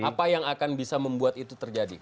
apa yang akan bisa membuat itu terjadi